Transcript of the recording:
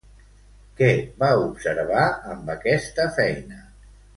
Què va observar amb aquesta feina?